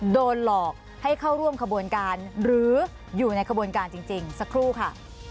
โดนหลอกให้เข้าร่วมขบวนการหรืออยู่ในขบวนการจริงสักครู่ค่ะ